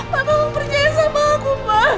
mama percaya sama aku ma